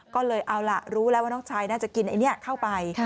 ก็เลยเอาล่ะรู้แล้วว่าน้องชายน่าจะกินไอ้นี่เข้าไป